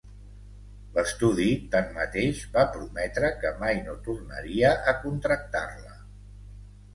L'estudi, tanmateix, va prometre que mai no tornaria a contractar-la.